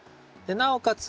なおかつ